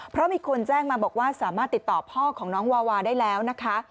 เพราะมีคนแจ้งมาบอกว่าสามารถติดต่อพ่อของน้องวาวาได้แล้วนะคะ